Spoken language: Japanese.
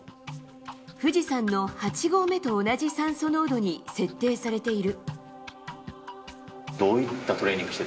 富士山の８合目と同じ酸素濃度に設定されている。